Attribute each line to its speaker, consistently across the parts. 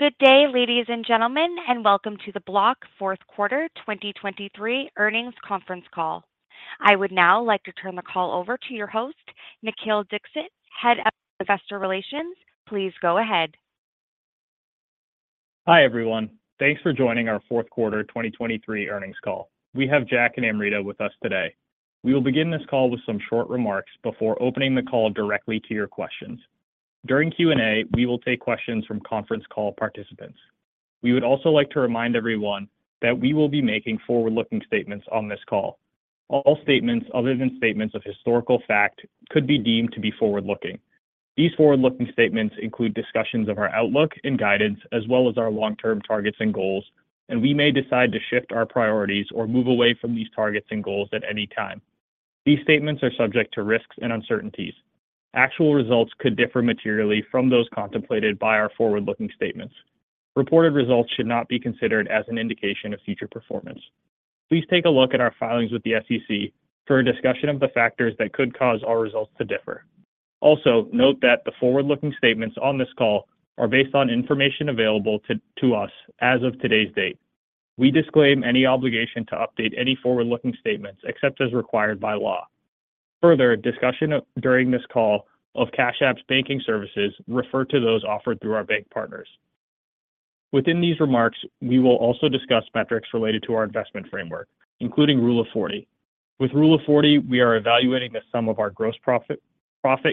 Speaker 1: Good day, ladies and gentlemen, and welcome to the Block’s Fourth Quarter 2023 Earnings Conference Call. I would now like to turn the call over to your host, Nikhil Dixit, Head of Investor Relations. Please go ahead.
Speaker 2: Hi, everyone. Thanks for joining our Fourth Quarter 2023 Earnings Call. We have Jack and Amrita with us today. We will begin this call with some short remarks before opening the call directly to your questions. During Q&A, we will take questions from conference call participants. We would also like to remind everyone that we will be making forward-looking statements on this call. All statements other than statements of historical fact could be deemed to be forward-looking. These forward-looking statements include discussions of our outlook and guidance, as well as our long-term targets and goals, and we may decide to shift our priorities or move away from these targets and goals at any time. These statements are subject to risks and uncertainties. Actual results could differ materially from those contemplated by our forward-looking statements. Reported results should not be considered as an indication of future performance. Please take a look at our filings with the SEC for a discussion of the factors that could cause our results to differ. Also, note that the forward-looking statements on this call are based on information available to us as of today's date. We disclaim any obligation to update any forward-looking statements except as required by law. Further, discussion during this call of Cash App's banking services refers to those offered through our bank partners. Within these remarks, we will also discuss metrics related to our investment framework, including Rule of 40. With Rule of 40, we are evaluating the sum of our gross profit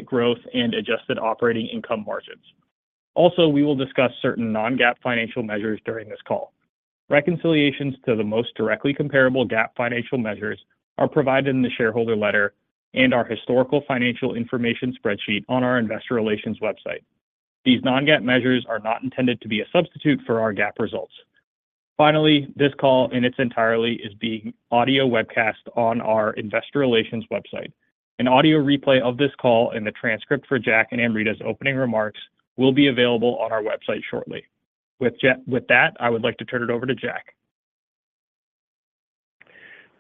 Speaker 2: growth and adjusted operating income margins. Also, we will discuss certain non-GAAP financial measures during this call. Reconciliations to the most directly comparable GAAP financial measures are provided in the shareholder letter and our historical financial information spreadsheet on our investor relations website. These non-GAAP measures are not intended to be a substitute for our GAAP results. Finally, this call, in its entirety, is being audio webcast on our investor relations website. An audio replay of this call and a transcript for Jack and Amrita's opening remarks will be available on our website shortly. With that, I would like to turn it over to Jack.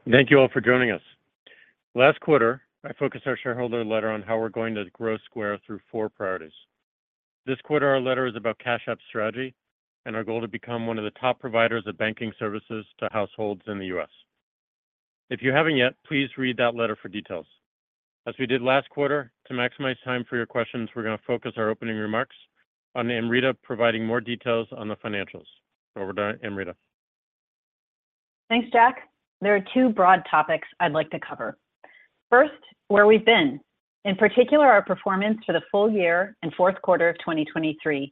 Speaker 3: Thank you all for joining us. Last quarter, I focused our shareholder letter on how we're going to grow Square through four priorities. This quarter, our letter is about Cash App's strategy and our goal to become one of the top providers of banking services to households in the U.S. If you haven't yet, please read that letter for details. As we did last quarter, to maximize time for your questions, we're going to focus our opening remarks on Amrita providing more details on the financials. Over to Amrita.
Speaker 4: Thanks, Jack. There are two broad topics I'd like to cover. First, where we've been, in particular, our performance for the full year and fourth quarter of 2023,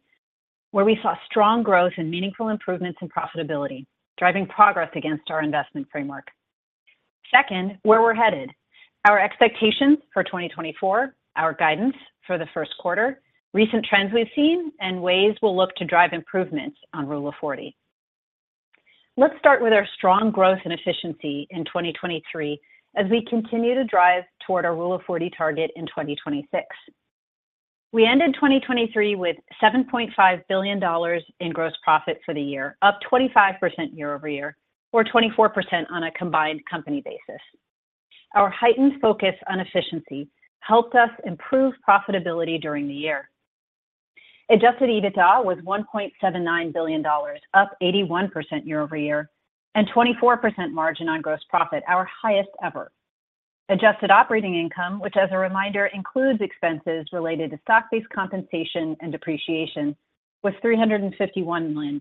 Speaker 4: where we saw strong growth and meaningful improvements in profitability, driving progress against our investment framework. Second, where we're headed, our expectations for 2024, our guidance for the first quarter, recent trends we've seen, and ways we'll look to drive improvements on Rule of 40. Let's start with our strong growth and efficiency in 2023 as we continue to drive toward our Rule of 40 target in 2026. We ended 2023 with $7.5 billion in gross profit for the year, up 25% year-over-year, or 24% on a combined company basis. Our heightened focus on efficiency helped us improve profitability during the year. Adjusted EBITDA was $1.79 billion, up 81% year-over-year, and 24% margin on gross profit, our highest ever. Adjusted operating income, which, as a reminder, includes expenses related to stock-based compensation and depreciation, was $351 million,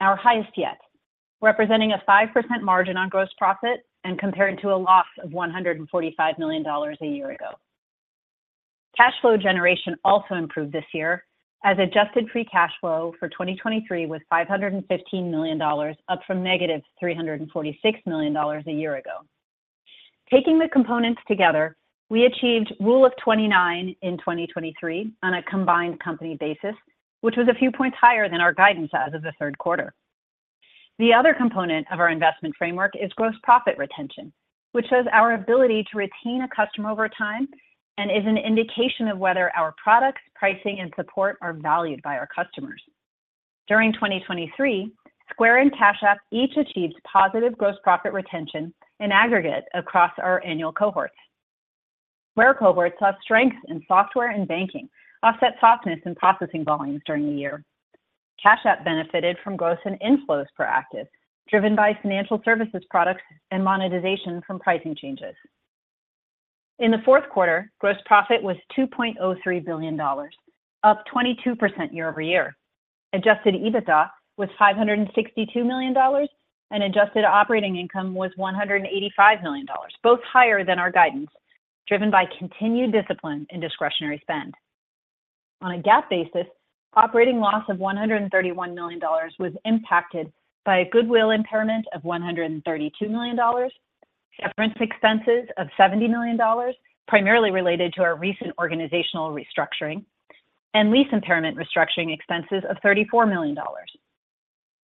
Speaker 4: our highest yet, representing a 5% margin on gross profit and comparing to a loss of $145 million a year ago. Cash flow generation also improved this year, as adjusted free cash flow for 2023 was $515 million, up from -$346 million a year ago. Taking the components together, we achieved Rule of 29 in 2023 on a combined company basis, which was a few points higher than our guidance as of the third quarter. The other component of our investment framework is gross profit retention, which shows our ability to retain a customer over time and is an indication of whether our products, pricing, and support are valued by our customers. During 2023, Square and Cash App each achieved positive gross profit retention in aggregate across our annual cohorts. Square cohorts saw strength in software and banking, offset softness in processing volumes during the year. Cash App benefited from growth in inflows per active, driven by financial services products and monetization from pricing changes. In the fourth quarter, gross profit was $2.03 billion, up 22% year-over-year. Adjusted EBITDA was $562 million, and adjusted operating income was $185 million, both higher than our guidance, driven by continued discipline in discretionary spend. On a GAAP basis, operating loss of $131 million was impacted by a goodwill impairment of $132 million, severance expenses of $70 million, primarily related to our recent organizational restructuring, and lease impairment restructuring expenses of $34 million.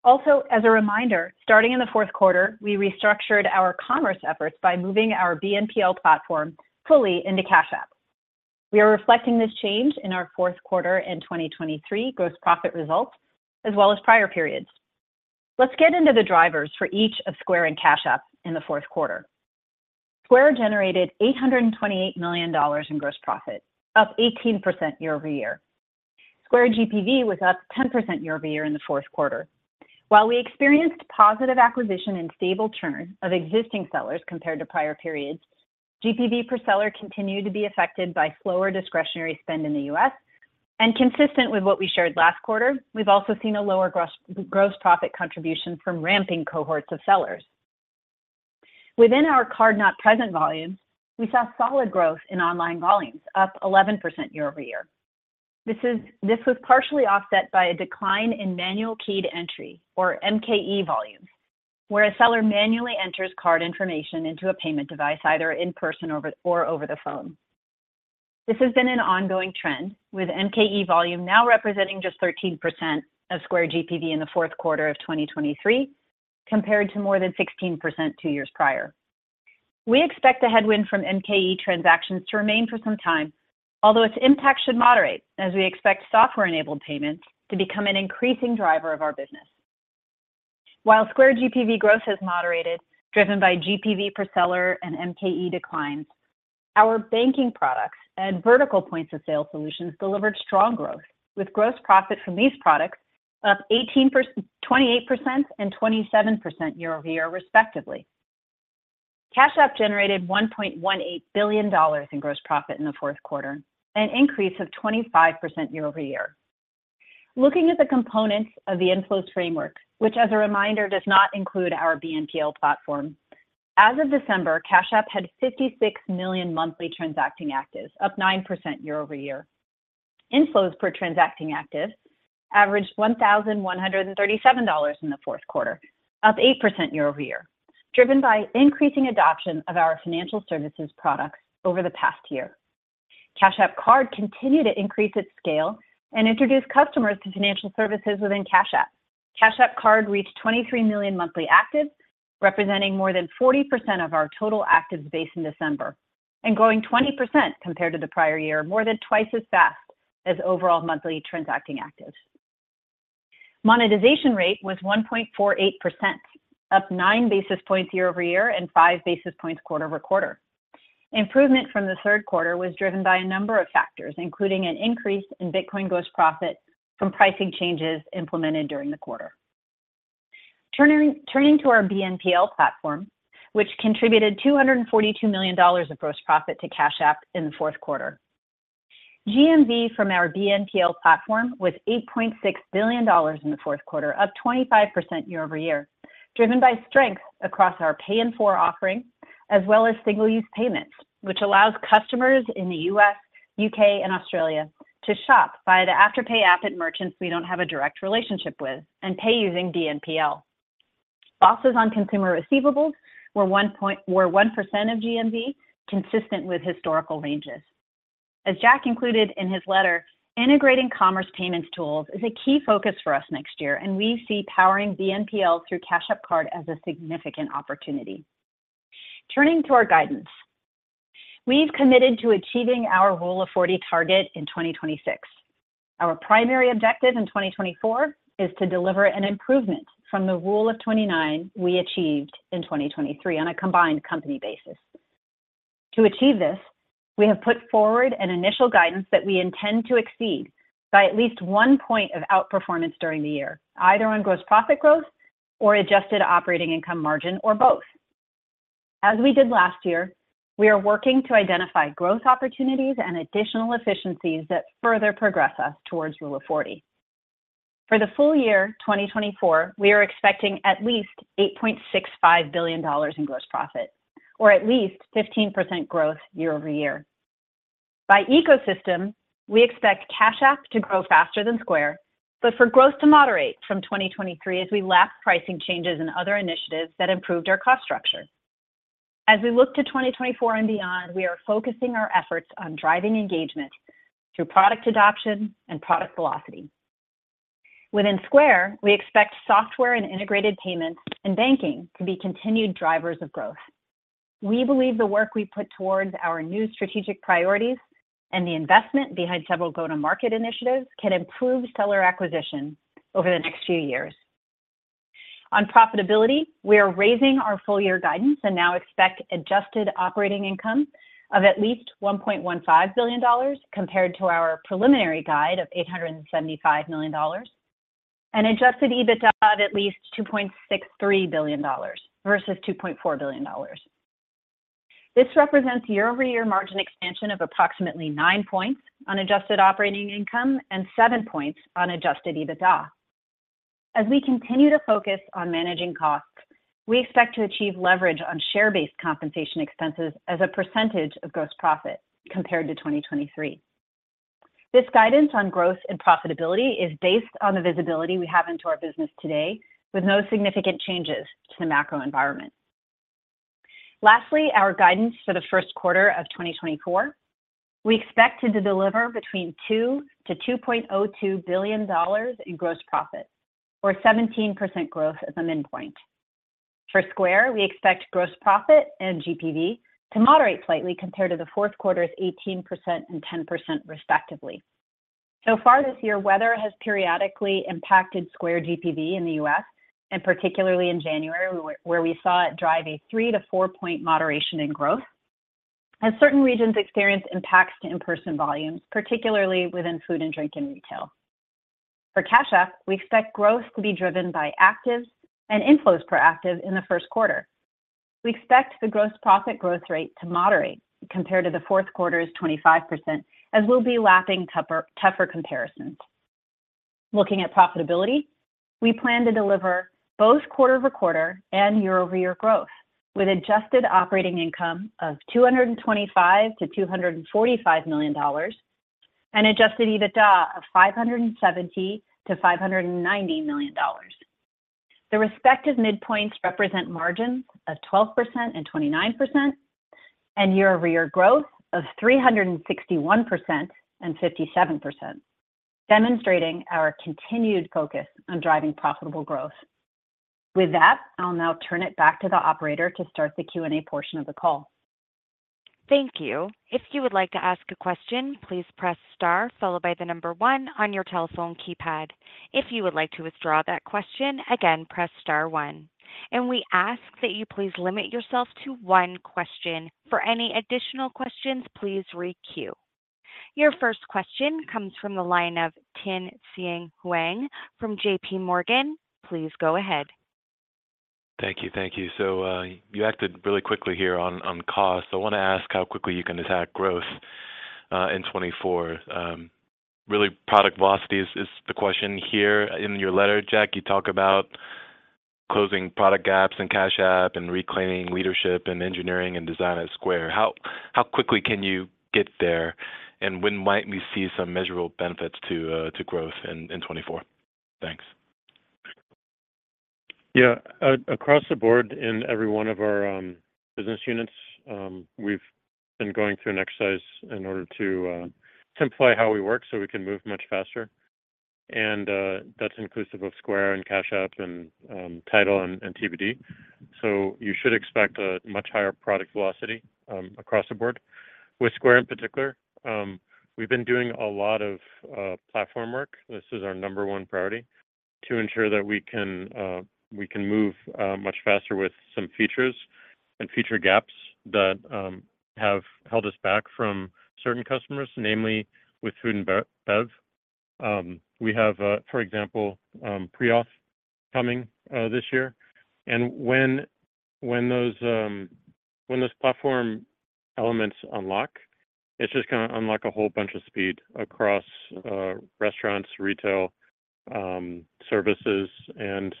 Speaker 4: Also, as a reminder, starting in the fourth quarter, we restructured our commerce efforts by moving our BNPL platform fully into Cash App. We are reflecting this change in our fourth quarter in 2023 gross profit results, as well as prior periods. Let's get into the drivers for each of Square and Cash App in the fourth quarter. Square generated $828 million in gross profit, up 18% year-over-year. Square GPV was up 10% year-over-year in the fourth quarter. While we experienced positive acquisition and stable churn of existing sellers compared to prior periods, GPV per seller continued to be affected by slower discretionary spend in the U.S., and consistent with what we shared last quarter, we've also seen a lower gross, gross profit contribution from ramping cohorts of sellers. Within our card-not-present volumes, we saw solid growth in online volumes, up 11% year-over-year. This was partially offset by a decline in manual key entry, or MKE volumes, where a seller manually enters card information into a payment device, either in person or over the phone. This has been an ongoing trend, with MKE volume now representing just 13% of Square GPV in the fourth quarter of 2023, compared to more than 16% two years prior. We expect the headwind from MKE transactions to remain for some time, although its impact should moderate as we expect software-enabled payments to become an increasing driver of our business. While Square GPV growth has moderated, driven by GPV per seller and MKE declines, our banking products and vertical points of sale solutions delivered strong growth, with gross profit from these products up 28% and 27% year-over-year, respectively. Cash App generated $1.18 billion in gross profit in the fourth quarter, an increase of 25% year-over-year. Looking at the components of the inflows framework, which, as a reminder, does not include our BNPL platform, as of December, Cash App had 56 million monthly transacting actives, up 9% year-over-year. Inflows per transacting active averaged $1,137 in the fourth quarter, up 8% year-over-year, driven by increasing adoption of our financial services products over the past year. Cash App Card continued to increase its scale and introduce customers to financial services within Cash App. Cash App Card reached 23 million monthly actives, representing more than 40% of our total actives base in December, and growing 20% compared to the prior year, more than twice as fast as overall monthly transacting actives. Monetization rate was 1.48%, up nine basis points year-over-year and five basis points quarter-over-quarter. Improvement from the third quarter was driven by a number of factors, including an increase in Bitcoin gross profit from pricing changes implemented during the quarter. Turning to our BNPL platform, which contributed $242 million of gross profit to Cash App in the fourth quarter. GMV from our BNPL platform was $8.6 billion in the fourth quarter, up 25% year-over-year, driven by strength across our Pay in 4 offering, as well as single-use payments, which allows customers in the U.S., U.K., and Australia to shop via the Afterpay app at merchants we don't have a direct relationship with and pay using BNPL. Losses on consumer receivables were 1% of GMV, consistent with historical ranges. As Jack included in his letter, integrating commerce payments tools is a key focus for us next year, and we see powering BNPL through Cash App Card as a significant opportunity. Turning to our guidance, we've committed to achieving our Rule of 40 target in 2026. Our primary objective in 2024 is to deliver an improvement from the Rule of 29 we achieved in 2023 on a combined company basis. To achieve this, we have put forward an initial guidance that we intend to exceed by at least one point of outperformance during the year, either on gross profit growth or adjusted operating income margin, or both. As we did last year, we are working to identify growth opportunities and additional efficiencies that further progress us towards Rule of 40. For the full year 2024, we are expecting at least $8.65 billion in gross profit or at least 15% growth year-over-year. By ecosystem, we expect Cash App to grow faster than Square, but for growth to moderate from 2023 as we lap pricing changes and other initiatives that improved our cost structure. As we look to 2024 and beyond, we are focusing our efforts on driving engagement through product adoption and product velocity. Within Square, we expect software and integrated payments and banking to be continued drivers of growth. We believe the work we put towards our new strategic priorities and the investment behind several go-to-market initiatives can improve seller acquisition over the next few years. On profitability, we are raising our full year guidance and now expect adjusted operating income of at least $1.15 billion compared to our preliminary guide of $875 million, and adjusted EBITDA of at least $2.63 billion versus $2.4 billion. This represents year-over-year margin expansion of approximately nine points on adjusted operating income and seven points on adjusted EBITDA. As we continue to focus on managing costs, we expect to achieve leverage on share-based compensation expenses as a percentage of gross profit compared to 2023. This guidance on growth and profitability is based on the visibility we have into our business today, with no significant changes to the macro environment. Lastly, our guidance for the first quarter of 2024. We expect to deliver between $2 billion-$2.02 billion in gross profit or 17% growth as a midpoint. For Square, we expect gross profit and GPV to moderate slightly compared to the fourth quarter's 18% and 10% respectively. So far this year, weather has periodically impacted Square GPV in the U.S., and particularly in January, where we saw it drive a three to four point moderation in growth. As certain regions experience impacts to in-person volumes, particularly within food and drink and retail. For Cash App, we expect growth to be driven by actives and inflows per active in the first quarter. We expect the gross profit growth rate to moderate compared to the fourth quarter's 25%, as we'll be lapping tougher, tougher comparisons. Looking at profitability, we plan to deliver both quarter-over-quarter and year-over-year growth, with adjusted operating income of $225 million-$245 million and adjusted EBITDA of $570 million-$590 million. The respective midpoints represent margins of 12% and 29%, and year-over-year growth of 361% and 57%, demonstrating our continued focus on driving profitable growth. With that, I'll now turn it back to the operator to start the Q&A portion of the call.
Speaker 1: Thank you. If you would like to ask a question, please press star, followed by the number one on your telephone keypad. If you would like to withdraw that question, again, press star one, and we ask that you please limit yourself to one question. For any additional questions, please re-queue. Your first question comes from the line of Tien-Tsin Huang from JPMorgan. Please go ahead.
Speaker 5: Thank you. Thank you. So, you acted really quickly here on cost. I want to ask how quickly you can attack growth in 2024. Really, product velocity is the question here. In your letter, Jack, you talk about closing product gaps in Cash App and reclaiming leadership in engineering and design at Square. How quickly can you get there, and when might we see some measurable benefits to growth in 2024? Thanks.
Speaker 3: Yeah. Across the board, in every one of our business units, we've been going through an exercise in order to simplify how we work so we can move much faster, and that's inclusive of Square and Cash App and TIDAL and TBD. So you should expect a much higher product velocity across the board. With Square, in particular, we've been doing a lot of platform work. This is our number one priority to ensure that we can move much faster with some features and feature gaps that have held us back from certain customers, namely with food and bev. We have, for example, pre-auth coming this year. And when those platform elements unlock, it's just gonna unlock a whole bunch of speed across restaurants, retail, services, and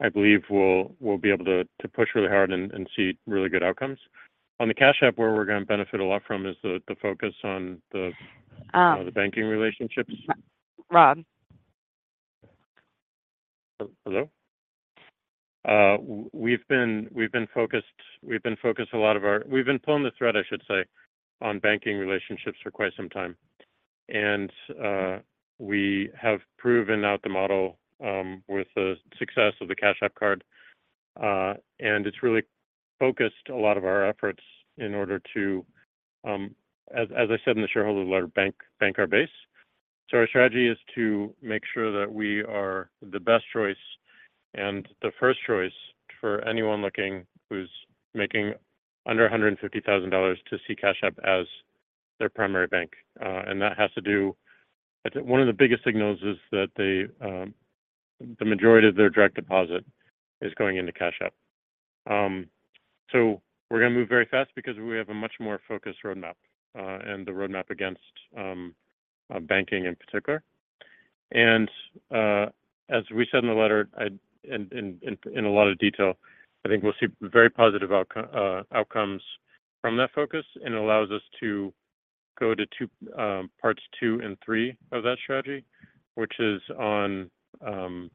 Speaker 3: I believe we'll be able to push really hard and see really good outcomes. On the Cash App, where we're going to benefit a lot from is the focus on the banking relationships.
Speaker 4: Rob?
Speaker 3: We've been pulling the thread, I should say, on banking relationships for quite some time, and we have proven out the model with the success of the Cash App Card. And it's really focused a lot of our efforts in order to, as I said in the shareholder letter, bank our base. So our strategy is to make sure that we are the best choice and the first choice for anyone looking, who's making under $150,000 to see Cash App as their primary bank. And that one of the biggest signals is that the majority of their direct deposit is going into Cash App. So we're going to move very fast because we have a much more focused roadmap, and the roadmap against banking in particular. And as we said in the letter, in a lot of detail, I think we'll see very positive outcomes from that focus, and it allows us to go to parts two and three of that strategy, which is on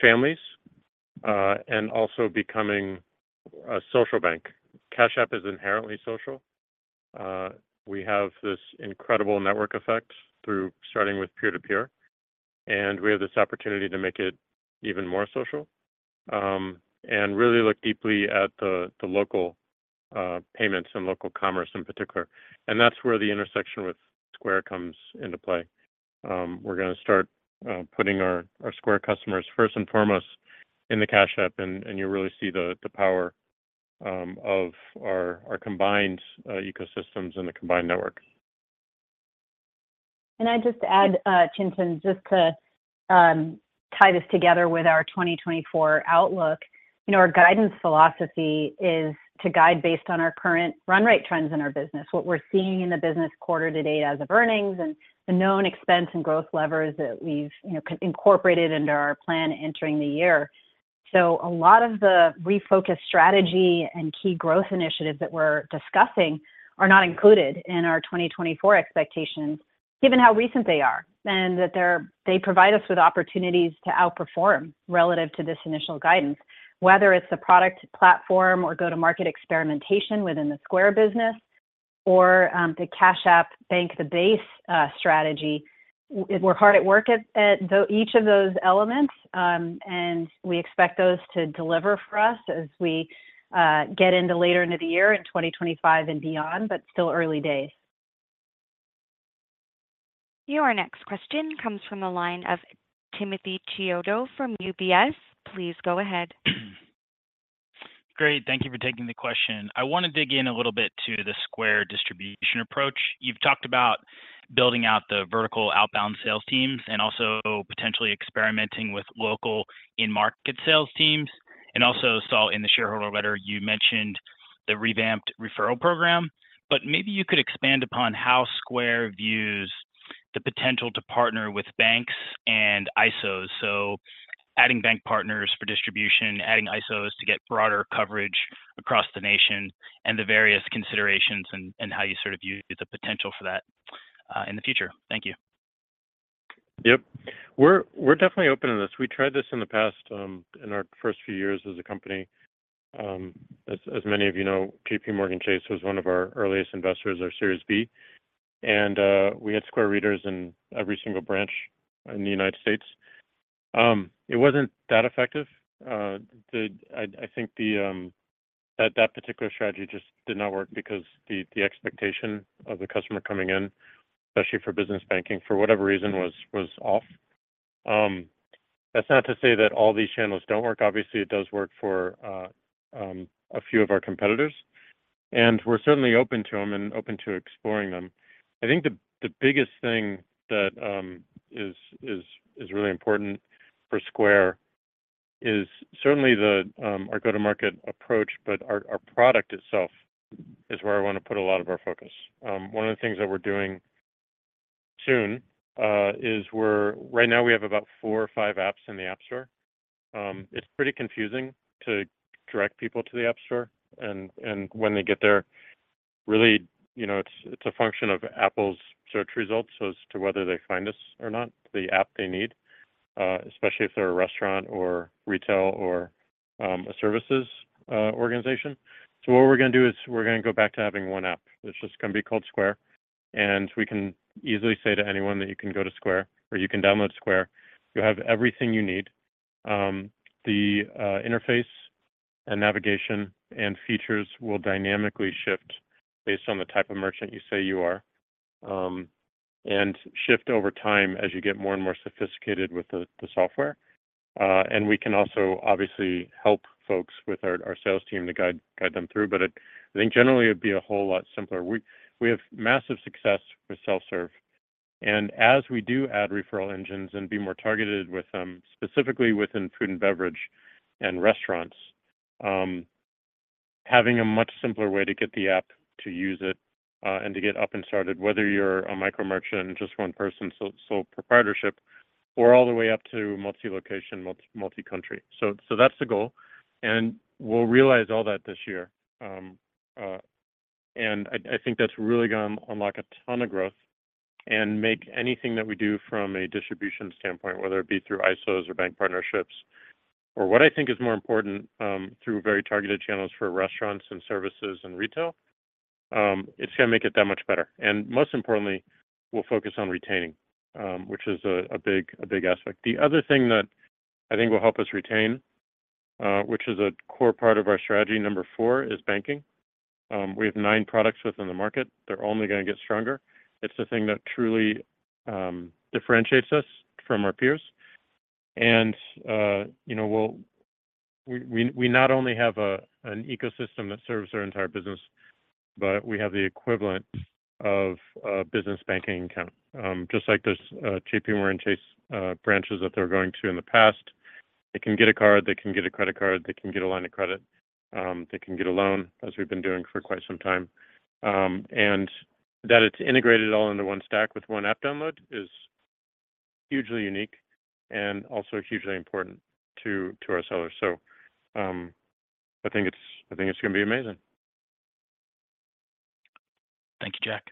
Speaker 3: families and also becoming a social bank. Cash App is inherently social. We have this incredible network effect through starting with peer-to-peer, and we have this opportunity to make it even more social. And really look deeply at the local payments and local commerce in particular. And that's where the intersection with Square comes into play. We're going to start putting our Square customers first and foremost in the Cash App, and you really see the power of our combined ecosystems and the combined network.
Speaker 4: Can I just add, Tien-Tsin, just to tie this together with our 2024 outlook? You know, our guidance philosophy is to guide based on our current run rate trends in our business, what we're seeing in the business quarter-to-date as of earnings, and the known expense and growth levers that we've, you know, incorporated into our plan entering the year. So a lot of the refocused strategy and key growth initiatives that we're discussing are not included in our 2024 expectations, given how recent they are, and that they provide us with opportunities to outperform relative to this initial guidance. Whether it's the product platform or go-to-market experimentation within the Square business or the Cash App banking base strategy, we're hard at work at each of those elements, and we expect those to deliver for us as we get into later into the year in 2025 and beyond, but still early days.
Speaker 1: Your next question comes from the line of Timothy Chiodo from UBS. Please go ahead.
Speaker 6: Great. Thank you for taking the question. I wanna dig in a little bit to the Square distribution approach. You've talked about building out the vertical outbound sales teams and also potentially experimenting with local in-market sales teams, and also saw in the shareholder letter you mentioned the revamped referral program. But maybe you could expand upon how Square views the potential to partner with banks and ISOs. So adding bank partners for distribution, adding ISOs to get broader coverage across the nation and the various considerations and how you sort of view the potential for that in the future. Thank you.
Speaker 3: Yep. We're definitely open to this. We tried this in the past, in our first few years as a company. As many of you know, JPMorgan Chase was one of our earliest investors, our Series B, and we had Square Readers in every single branch in the United States. It wasn't that effective. I think that particular strategy just did not work because the expectation of the customer coming in, especially for business banking, for whatever reason, was off. That's not to say that all these channels don't work. Obviously, it does work for a few of our competitors, and we're certainly open to them and open to exploring them. I think the biggest thing that is really important for Square is certainly our go-to-market approach, but our product itself is where I wanna put a lot of our focus. One of the things that we're doing soon is right now we have about four or five apps in the App Store. It's pretty confusing to direct people to the App Store, and when they get there, really, you know, it's a function of Apple's search results as to whether they find us or not, the app they need, especially if they're a restaurant or retail or a services organization. So what we're gonna do is we're gonna go back to having one app, which is gonna be called Square, and we can easily say to anyone that you can go to Square or you can download Square. You'll have everything you need. The interface and navigation and features will dynamically shift based on the type of merchant you say you are, and shift over time as you get more and more sophisticated with the software. And we can also obviously help folks with our sales team to guide them through, but I think generally it'd be a whole lot simpler. We have massive success with self-serve, and as we do add referral engines and be more targeted with them, specifically within food and beverage and restaurants, having a much simpler way to get the app, to use it, and to get up and started, whether you're a micro merchant, just one person, sole proprietorship, or all the way up to multi-location, multi-country. So that's the goal, and we'll realize all that this year. And I think that's really gonna unlock a ton of growth and make anything that we do from a distribution standpoint, whether it be through ISOs or bank partnerships, or what I think is more important, through very targeted channels for restaurants and services and retail, it's gonna make it that much better. Most importantly, we'll focus on retaining, which is a big aspect. The other thing that I think will help us retain, which is a core part of our strategy number four, is banking. We have nine products within the market. They're only gonna get stronger. It's the thing that truly differentiates us from our peers. And, you know, we not only have an ecosystem that serves our entire business, but we have the equivalent of a business banking account. Just like those JPMorgan Chase branches that they were going to in the past, they can get a card, they can get a credit card, they can get a line of credit, they can get a loan, as we've been doing for quite some time. That it's integrated all into one stack with one app download is hugely unique and also hugely important to our sellers. So, I think it's gonna be amazing.
Speaker 6: Thank you, Jack.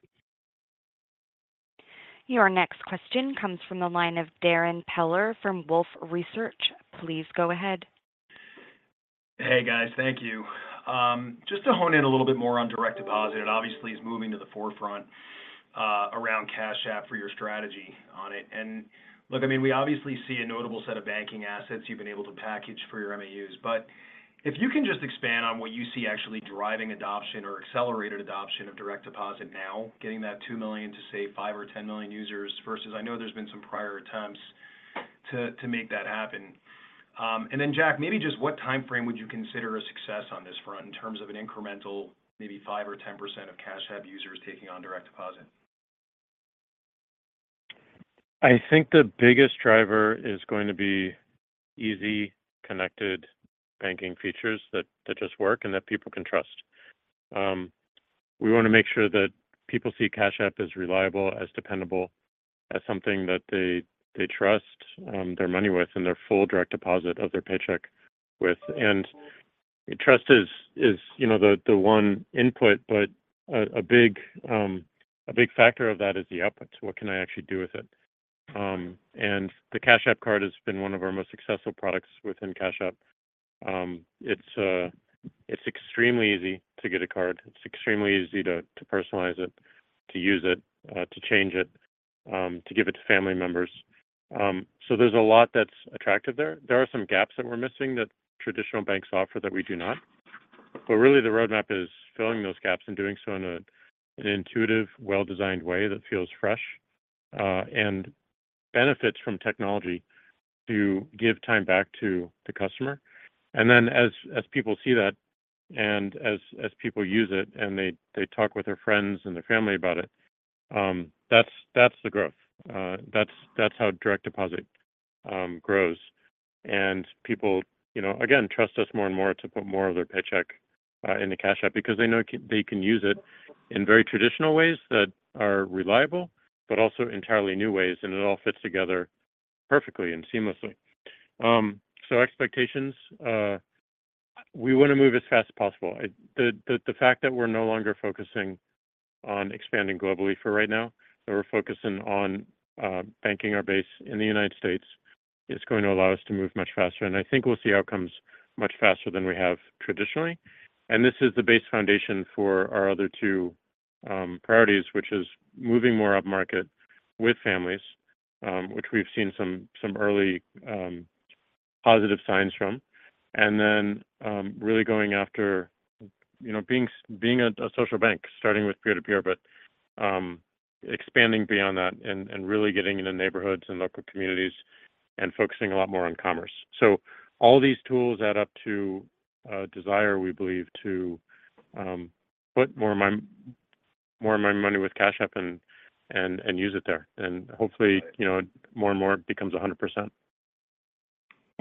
Speaker 1: Your next question comes from the line of Darrin Peller from Wolfe Research. Please go ahead.
Speaker 7: Hey, guys. Thank you. Just to hone in a little bit more on direct deposit, it obviously is moving to the forefront around Cash App for your strategy on it. And look, I mean, we obviously see a notable set of banking assets you've been able to package for your MAUs. But if you can just expand on what you see actually driving adoption or accelerated adoption of direct deposit now, getting that two million to, say, five million or 10 million users versus I know there's been some prior attempts to make that happen. And then, Jack, maybe just what timeframe would you consider a success on this front in terms of an incremental, maybe 5% or 10% of Cash App users taking on direct deposit?
Speaker 3: I think the biggest driver is going to be easy, connected banking features that just work and that people can trust. We wanna make sure that people see Cash App as reliable, as dependable, as something that they trust their money with and their full direct deposit of their paycheck with. And trust is, you know, the one input, but a big factor of that is the outputs. What can I actually do with it? And the Cash App Card has been one of our most successful products within Cash App. It's extremely easy to get a card. It's extremely easy to personalize it, to use it, to change it, to give it to family members. So there's a lot that's attractive there. There are some gaps that we're missing that traditional banks offer that we do not. But really the roadmap is filling those gaps and doing so in an intuitive, well-designed way that feels fresh and benefits from technology to give time back to the customer. And then as people see that, and as people use it, and they talk with their friends and their family about it, that's the growth. That's how direct deposit grows. And people, you know, again, trust us more and more to put more of their paycheck into Cash App because they know they can use it in very traditional ways that are reliable, but also entirely new ways, and it all fits together perfectly and seamlessly. So expectations, we want to move as fast as possible. The fact that we're no longer focusing on expanding globally for right now, that we're focusing on banking our base in the United States, is going to allow us to move much faster. And I think we'll see outcomes much faster than we have traditionally. And this is the base foundation for our other two priorities, which is moving more upmarket with families, which we've seen some early positive signs from. And then really going after, you know, being a social bank, starting with peer-to-peer, but expanding beyond that and really getting into neighborhoods and local communities and focusing a lot more on commerce. So all these tools add up to a desire, we believe, to put more of my money with Cash App and use it there. Hopefully, you know, more and more, it becomes 100%.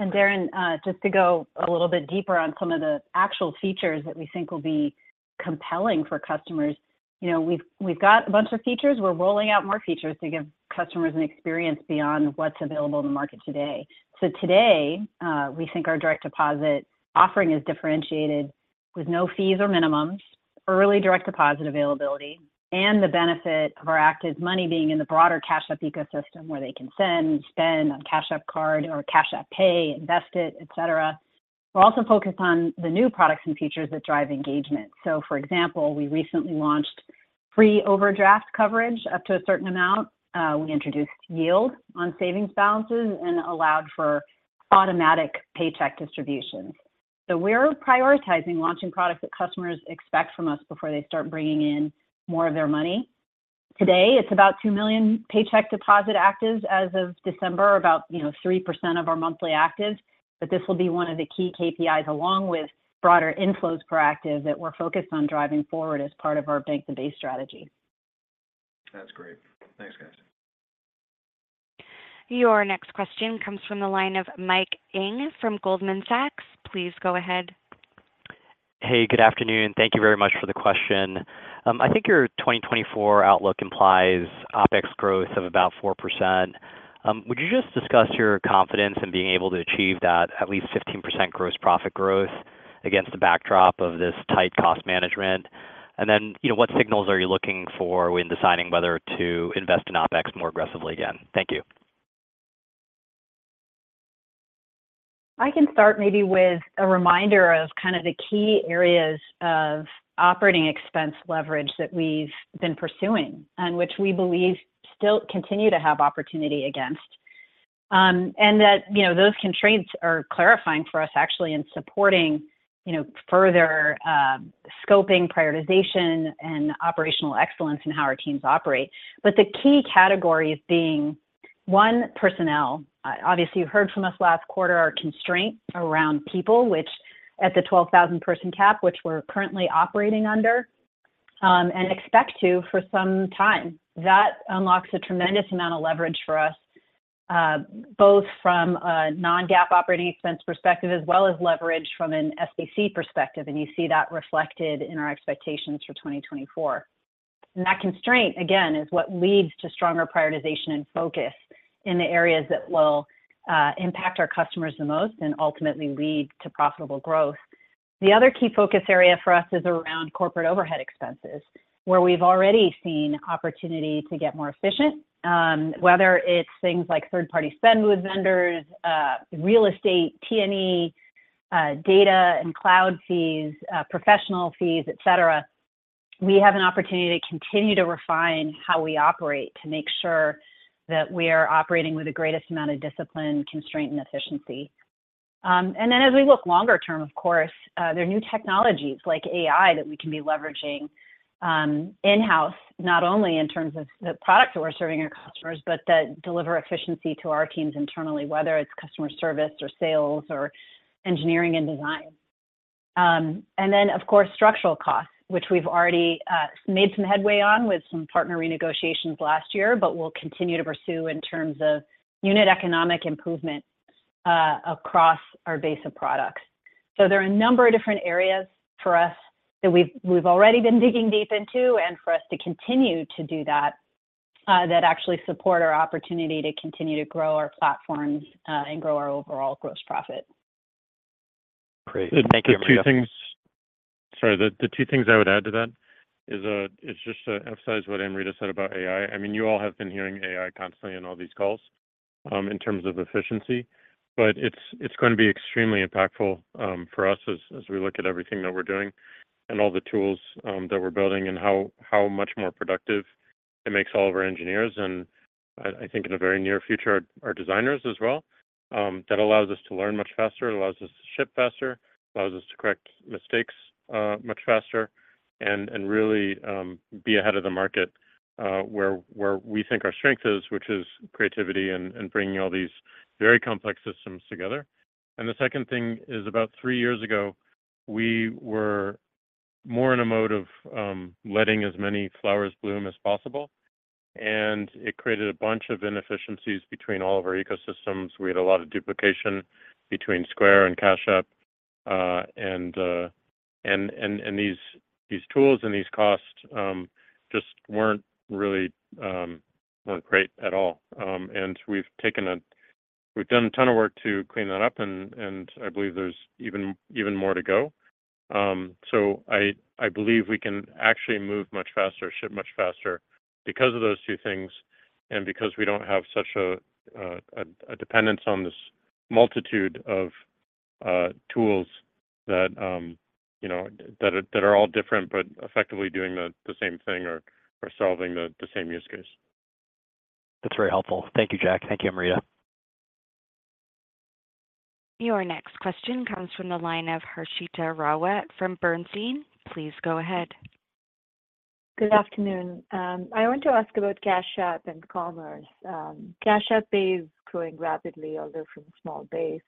Speaker 4: Darren, just to go a little bit deeper on some of the actual features that we think will be compelling for customers. You know, we've got a bunch of features. We're rolling out more features to give customers an experience beyond what's available in the market today. So today, we think our direct deposit offering is differentiated with no fees or minimums, early direct deposit availability, and the benefit of our active money being in the broader Cash App ecosystem, where they can send, spend on Cash App Card or Cash App Pay, invest it, et cetera. We're also focused on the new products and features that drive engagement. So for example, we recently launched free overdraft coverage up to a certain amount. We introduced yield on savings balances and allowed for automatic paycheck distributions. So we're prioritizing launching products that customers expect from us before they start bringing in more of their money. Today, it's about two million paycheck deposit actives as of December, about, you know, 3% of our monthly actives. But this will be one of the key KPIs, along with broader inflows per active, that we're focused on driving forward as part of our Bank the Base strategy.
Speaker 7: That's great. Thanks, guys.
Speaker 1: Your next question comes from the line of Mike Ng from Goldman Sachs. Please go ahead.
Speaker 8: Hey, good afternoon, thank you very much for the question. I think your 2024 outlook implies OpEx growth of about 4%. Would you just discuss your confidence in being able to achieve that at least 15% gross profit growth against the backdrop of this tight cost management? And then, you know, what signals are you looking for when deciding whether to invest in OpEx more aggressively again? Thank you.
Speaker 4: I can start maybe with a reminder of kind of the key areas of operating expense leverage that we've been pursuing, and which we believe still continue to have opportunity against. And that, you know, those constraints are clarifying for us actually in supporting, you know, further scoping, prioritization, and operational excellence in how our teams operate. But the key categories being, one, personnel. Obviously, you heard from us last quarter, our constraint around people, which at the 12,000 person cap, which we're currently operating under, and expect to for some time. That unlocks a tremendous amount of leverage for us, both from a non-GAAP operating expense perspective, as well as leverage from an SBC perspective, and you see that reflected in our expectations for 2024. That constraint, again, is what leads to stronger prioritization and focus in the areas that will impact our customers the most and ultimately lead to profitable growth. The other key focus area for us is around corporate overhead expenses, where we've already seen opportunity to get more efficient. Whether it's things like third-party spend with vendors, real estate, T&E, data and cloud fees, professional fees, et cetera, we have an opportunity to continue to refine how we operate, to make sure that we are operating with the greatest amount of discipline, constraint, and efficiency. And then as we look longer term, of course, there are new technologies like AI that we can be leveraging in-house, not only in terms of the products that we're serving our customers, but that deliver efficiency to our teams internally, whether it's customer service or sales or engineering and design. And then, of course, structural costs, which we've already made some headway on with some partner renegotiations last year, but we'll continue to pursue in terms of unit economic improvement across our base of products. So there are a number of different areas for us that we've already been digging deep into, and for us to continue to do that, that actually support our opportunity to continue to grow our platforms and grow our overall gross profit.
Speaker 8: Great. Thank you, Amrita.
Speaker 3: The two things I would add to that is just to emphasize what Amrita said about AI. I mean, you all have been hearing AI constantly in all these calls in terms of efficiency, but it's gonna be extremely impactful for us as we look at everything that we're doing and all the tools that we're building, and how much more productive it makes all of our engineers, and I think in the very near future, our designers as well. That allows us to learn much faster, it allows us to ship faster, allows us to correct mistakes much faster, and really be ahead of the market, where we think our strength is, which is creativity and bringing all these very complex systems together. And the second thing is, about three years ago, we were more in a mode of letting as many flowers bloom as possible, and it created a bunch of inefficiencies between all of our ecosystems. We had a lot of duplication between Square and Cash App, and these tools and these costs just weren't really great at all. And we've done a ton of work to clean that up, and I believe there's even more to go. So I believe we can actually move much faster, ship much faster because of those two things, and because we don't have such a dependence on this multitude of tools that you know that are all different, but effectively doing the same thing or solving the same use case.
Speaker 8: That's very helpful. Thank you, Jack. Thank you, Amrita.
Speaker 1: Your next question comes from the line of Harshita Rawat from Bernstein. Please go ahead.
Speaker 9: Good afternoon. I want to ask about Cash App and commerce. Cash App Pay is growing rapidly, although from a small base.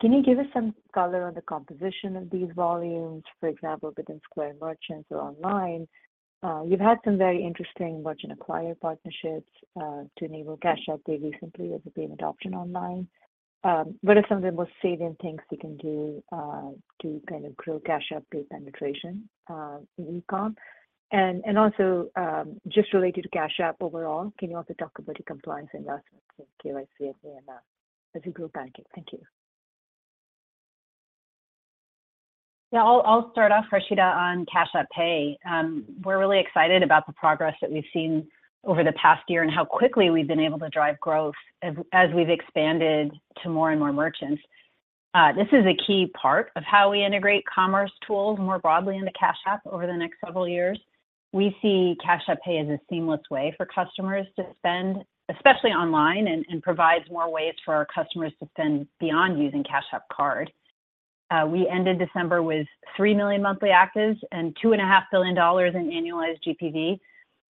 Speaker 9: Can you give us some color on the composition of these volumes, for example, within Square merchants or online? You've had some very interesting merchant acquire partnerships to enable Cash App Pay recently as a payment option online. What are some of the most salient things you can do to kind of grow Cash App Pay penetration in e-com? Also, just related to Cash App overall, can you also talk about your compliance investments in KYC and AML as a group banking? Thank you. Yeah, I'll start off, Harshita, on Cash App Pay. We're really excited about the progress that we've seen over the past year and how quickly we've been able to drive growth as we've expanded to more and more merchants. This is a key part of how we integrate commerce tools more broadly into Cash App over the next several years. We see Cash App Pay as a seamless way for customers to spend, especially online, and provides more ways for our customers to spend beyond using Cash App Card. We ended December with three million monthly actives and $2.5 billion in annualized GPV,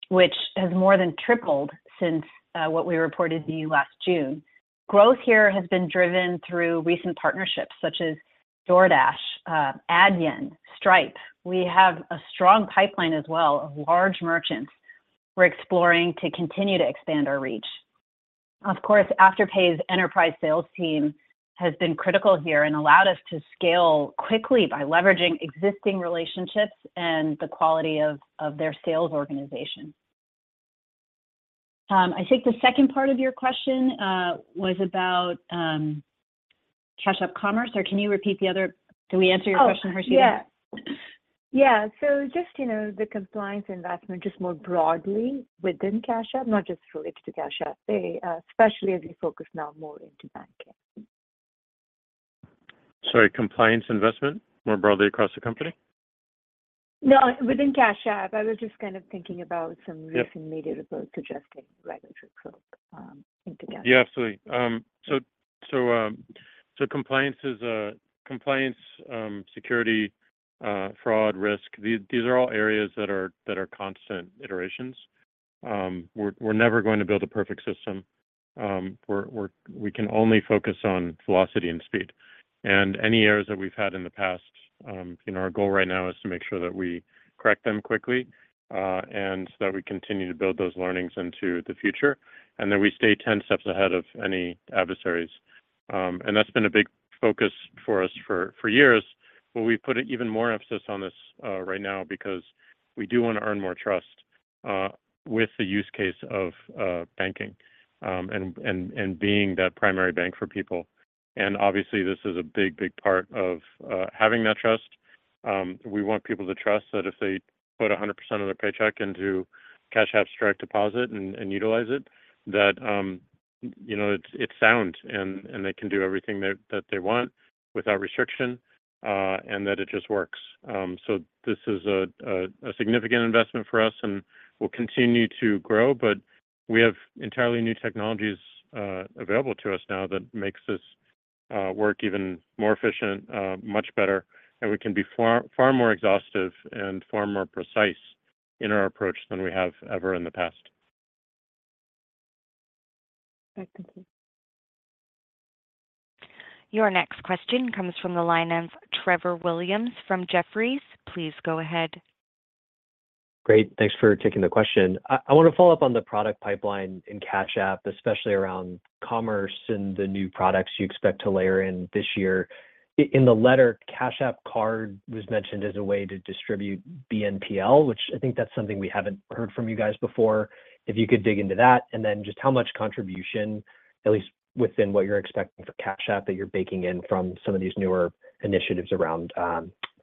Speaker 9: which has more than tripled since what we reported to you last June. Growth here has been driven through recent partnerships such as DoorDash, Adyen, Stripe. We have a strong pipeline as well of large merchants we're exploring to continue to expand our reach. Of course, Afterpay's enterprise sales team has been critical here and allowed us to scale quickly by leveraging existing relationships and the quality of their sales organization. I think the second part of your question was about Cash App Card commerce, or can you repeat the other? Did we answer your question, Harshita? Oh, yeah. Yeah. So just, you know, the compliance investment, just more broadly within Cash App, not just related to Cash App Pay, especially as you focus now more into banking.
Speaker 3: Sorry, compliance investment, more broadly across the company?
Speaker 9: No, within Cash App. I was just kind of thinking about some recent media reports suggesting regulatory probe into Cash App.
Speaker 3: Yeah, absolutely. So, compliance is, compliance, security, fraud risk, these, these are all areas that are, that are constant iterations. We can only focus on velocity and speed. And any errors that we've had in the past, you know, our goal right now is to make sure that we correct them quickly, and that we continue to build those learnings into the future, and that we stay 10 steps ahead of any adversaries. And that's been a big focus for us for years, but we put an even more emphasis on this right now because we do want to earn more trust, with the use case of, banking, and, and, and being that primary bank for people. And obviously, this is a big, big part of having that trust. We want people to trust that if they put 100% of their paycheck into Cash App direct deposit and utilize it, that you know, it's sound, and they can do everything that they want without restriction, and that it just works. So this is a significant investment for us and will continue to grow, but we have entirely new technologies available to us now that makes this work even more efficient, much better, and we can be far, far more exhaustive and far more precise in our approach than we have ever in the past.
Speaker 9: Thank you.
Speaker 1: Your next question comes from the line of Trevor Williams from Jefferies. Please go ahead.
Speaker 10: Great. Thanks for taking the question. I, I want to follow up on the product pipeline in Cash App, especially around commerce and the new products you expect to layer in this year. In the letter, Cash App Card was mentioned as a way to distribute BNPL, which I think that's something we haven't heard from you guys before. If you could dig into that, and then just how much contribution, at least within what you're expecting for Cash App, that you're baking in from some of these newer initiatives around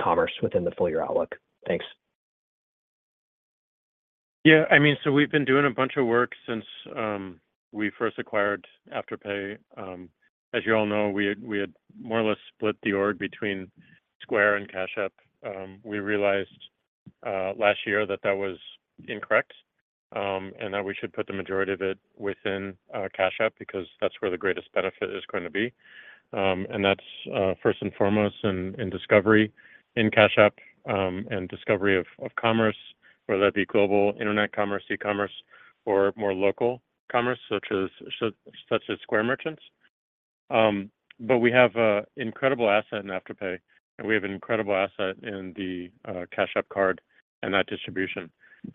Speaker 10: commerce within the full year outlook. Thanks.
Speaker 3: Yeah, I mean, so we've been doing a bunch of work since we first acquired Afterpay. As you all know, we had more or less split the org between Square and Cash App. We realized last year that that was incorrect, and that we should put the majority of it within Cash App, because that's where the greatest benefit is going to be. And that's first and foremost in discovery in Cash App, and discovery of commerce, whether that be global internet commerce, e-commerce, or more local commerce, such as Square merchants. But we have a incredible asset in Afterpay, and we have an incredible asset in the Cash App card and that distribution.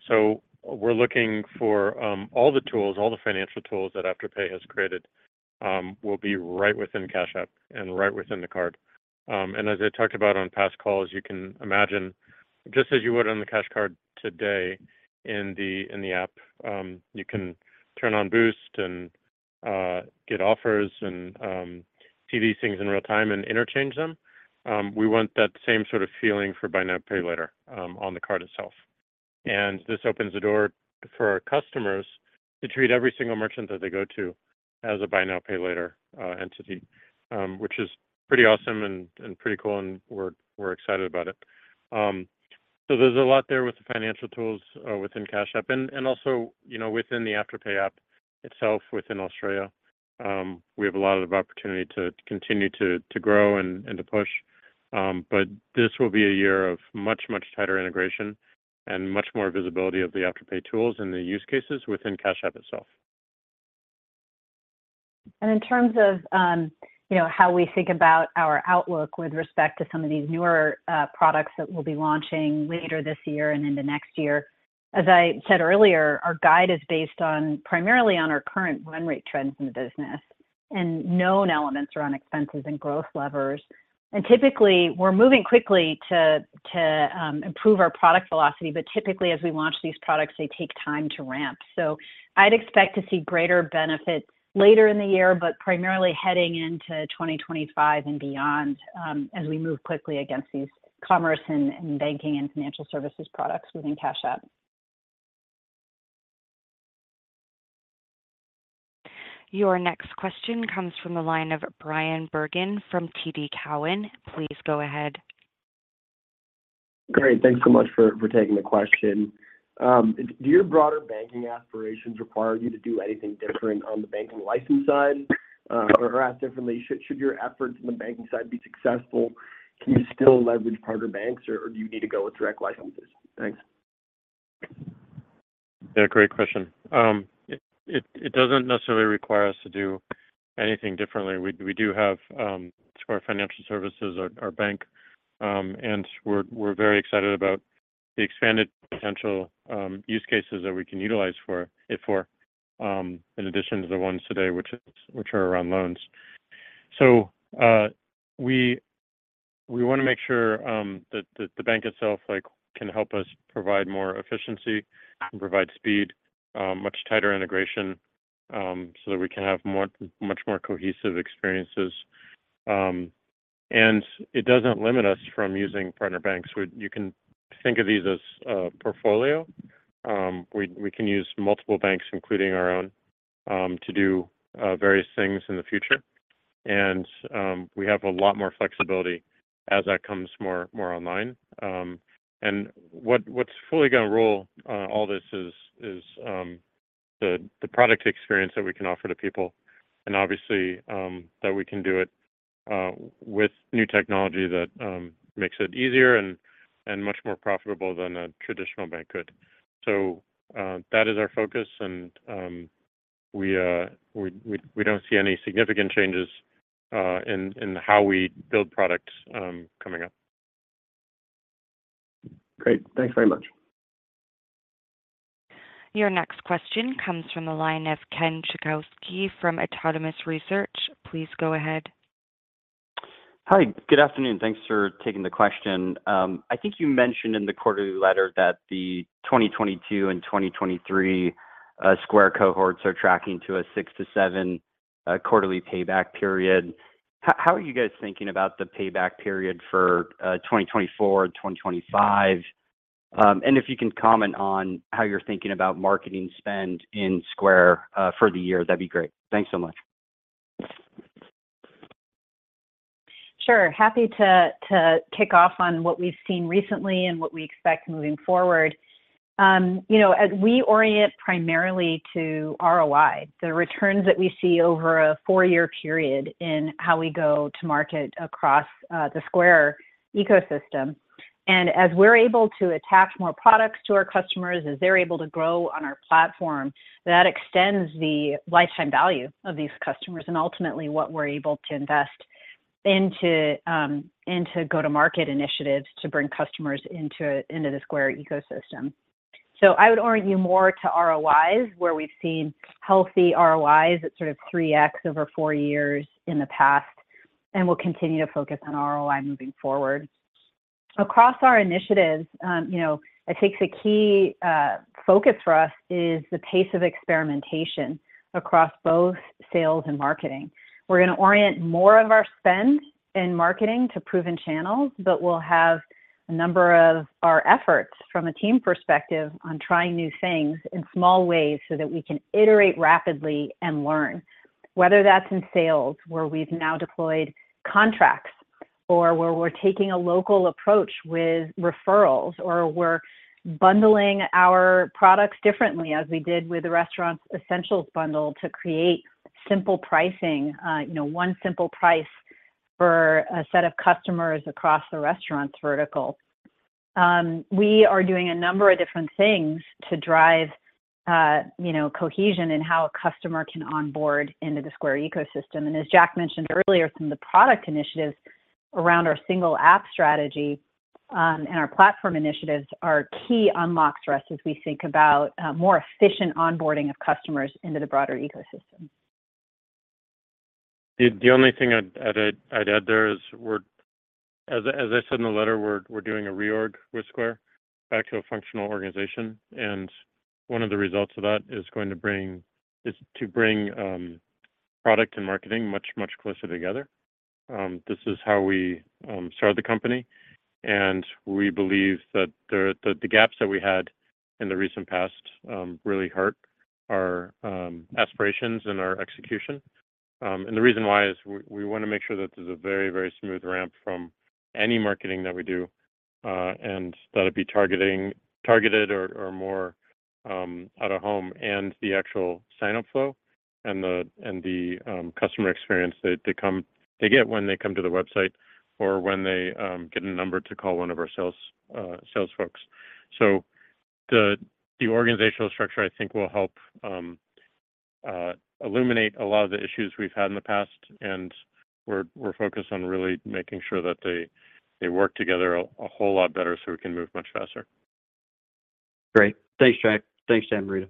Speaker 3: So we're looking for all the tools, all the financial tools that Afterpay has created, will be right within Cash App and right within the card. And as I talked about on past calls, you can imagine, just as you would on the Cash Card today in the, in the app, you can turn on Boost and get offers and see these things in real time and interchange them. We want that same sort of feeling for buy now, pay later on the card itself. And this opens the door for our customers to treat every single merchant that they go to as a buy now, pay later entity, which is pretty awesome and pretty cool, and we're excited about it. So there's a lot there with the financial tools within Cash App and also, you know, within the Afterpay app itself, within Australia. We have a lot of opportunity to continue to grow and to push. But this will be a year of much, much tighter integration and much more visibility of the Afterpay tools and the use cases within Cash App itself.
Speaker 4: And in terms of, you know, how we think about our outlook with respect to some of these newer, products that we'll be launching later this year and into next year. As I said earlier, our guide is based on, primarily on our current win rate trends in the business and known elements around expenses and growth levers. Typically, we're moving quickly to improve our product velocity, but typically, as we launch these products, they take time to ramp. So I'd expect to see greater benefits later in the year, but primarily heading into 2025 and beyond, as we move quickly against these commerce and banking and financial services products within Cash App.
Speaker 1: Your next question comes from the line of Bryan Bergin from TD Cowen. Please go ahead.
Speaker 11: Great. Thanks so much for taking the question. Do your broader banking aspirations require you to do anything different on the banking license side? Or asked differently, should your efforts in the banking side be successful, can you still leverage partner banks, or do you need to go with direct licenses? Thanks.
Speaker 3: Yeah, great question. It doesn't necessarily require us to do anything differently. We do have Square Financial Services, our bank, and we're very excited about the expanded potential use cases that we can utilize for it, in addition to the ones today, which are around loans. So, we want to make sure that the bank itself can help us provide more efficiency and provide speed, much tighter integration, so that we can have much more cohesive experiences. And it doesn't limit us from using partner banks. You can think of these as a portfolio. We can use multiple banks, including our own, to do various things in the future, and we have a lot more flexibility as that comes more online. And what's fully going to roll, all this is the product experience that we can offer to people, and obviously that we can do it with new technology that makes it easier and much more profitable than a traditional bank could. So that is our focus, and we don't see any significant changes in how we build products coming up.
Speaker 11: Great. Thanks very much.
Speaker 1: Your next question comes from the line of Ken Suchoski from Autonomous Research. Please go ahead.
Speaker 12: Hi, good afternoon. Thanks for taking the question. I think you mentioned in the quarterly letter that the 2022 and 2023 Square cohorts are tracking to a six to seven quarterly payback period. How are you guys thinking about the payback period for 2024 and 2025? And if you can comment on how you're thinking about marketing spend in Square for the year, that'd be great. Thanks so much.
Speaker 4: Sure. Happy to kick off on what we've seen recently and what we expect moving forward. You know, as we orient primarily to ROI, the returns that we see over a four-year period in how we go to market across the Square ecosystem. And as we're able to attach more products to our customers, as they're able to grow on our platform, that extends the lifetime value of these customers, and ultimately, what we're able to invest into go-to-market initiatives to bring customers into the Square ecosystem. So I would orient you more to ROIs, where we've seen healthy ROIs at sort of 3x over four years in the past, and we'll continue to focus on ROI moving forward. Across our initiatives, you know, I think the key focus for us is the pace of experimentation across both sales and marketing. We're going to orient more of our spend in marketing to proven channels, but we'll have a number of our efforts from a team perspective on trying new things in small ways so that we can iterate rapidly and learn. Whether that's in sales, where we've now deployed contracts or where we're taking a local approach with referrals, or we're bundling our products differently, as we did with the Restaurant Essentials Bundle, to create simple pricing, you know, one simple price for a set of customers across the restaurants vertical. We are doing a number of different things to drive, you know, cohesion in how a customer can onboard into the Square ecosystem. As Jack mentioned earlier, some of the product initiatives around our single app strategy and our platform initiatives are key unlocks for us as we think about more efficient onboarding of customers into the broader ecosystem.
Speaker 3: The only thing I'd add there as I said in the letter, we're doing a reorg with Square back to a functional organization, and one of the results of that is to bring product and marketing much closer together. This is how we started the company, and we believe that the gaps that we had in the recent past really hurt our aspirations and our execution. The reason why is we want to make sure that there's a very, very smooth ramp from any marketing that we do, and that it be targeted or more at a home and the actual sign-up flow and the customer experience that they get when they come to the website or when they get a number to call one of our sales folks. So the organizational structure, I think, will help illuminate a lot of the issues we've had in the past, and we're focused on really making sure that they work together a whole lot better, so we can move much faster.
Speaker 12: Great. Thanks, Jack. Thanks, Amrita.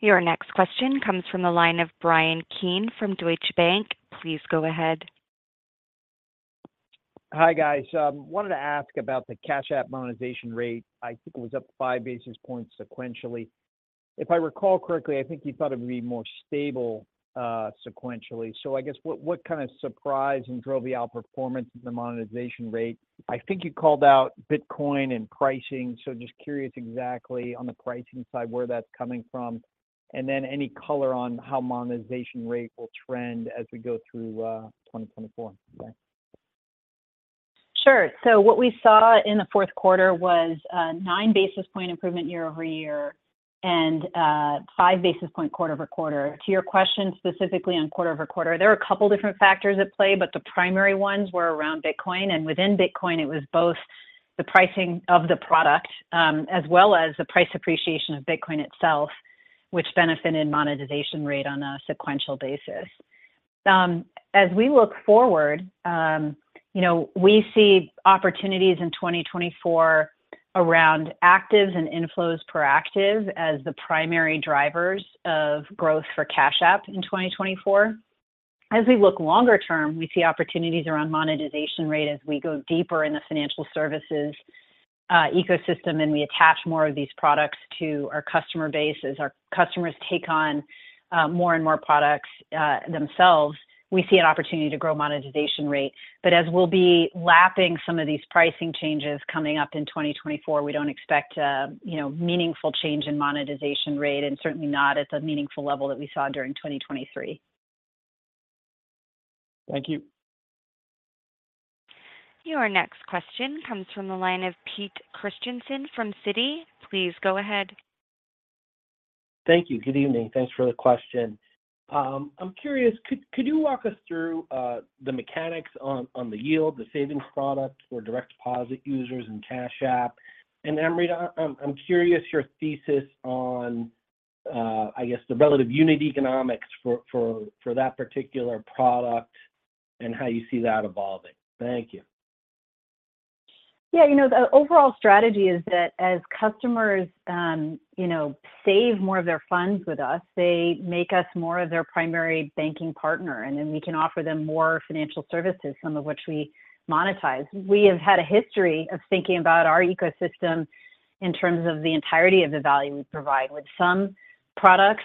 Speaker 1: Your next question comes from the line of Bryan Keane from Deutsche Bank. Please go ahead.
Speaker 13: Hi, guys. Wanted to ask about the Cash App monetization rate. I think it was up five basis points sequentially. If I recall correctly, I think you thought it would be more stable sequentially. So I guess what, what kind of surprise and drove the outperformance of the monetization rate? I think you called out Bitcoin and pricing, so just curious exactly on the pricing side, where that's coming from, and then any color on how monetization rate will trend as we go through 2024. Thanks.
Speaker 4: Sure. So what we saw in the fourth quarter was nine basis points improvement year-over-year and five basis points quarter-over-quarter. To your question, specifically on quarter-over-quarter, there are a couple different factors at play, but the primary ones were around Bitcoin, and within Bitcoin, it was both the pricing of the product as well as the price appreciation of Bitcoin itself, which benefited monetization rate on a sequential basis. As we look forward, you know, we see opportunities in 2024 around actives and inflows per active as the primary drivers of growth for Cash App in 2024. As we look longer term, we see opportunities around monetization rate as we go deeper in the financial services ecosystem, and we attach more of these products to our customer base. As our customers take on more and more products themselves, we see an opportunity to grow monetization rate. But as we'll be lapping some of these pricing changes coming up in 2024, we don't expect a, you know, meaningful change in monetization rate, and certainly not at the meaningful level that we saw during 2023.
Speaker 13: Thank you.
Speaker 1: Your next question comes from the line of Peter Christiansen from Citi. Please go ahead.
Speaker 14: Thank you. Good evening. Thanks for the question. I'm curious, could you walk us through the mechanics on the yield, the savings product for direct deposit users in Cash App? And Amrita, I'm curious your thesis on, I guess, the relative unit economics for that particular product and how you see that evolving. Thank you.
Speaker 4: Yeah, you know, the overall strategy is that as customers, you know, save more of their funds with us, they make us more of their primary banking partner, and then we can offer them more financial services, some of which we monetize. We have had a history of thinking about our ecosystem in terms of the entirety of the value we provide, with some products,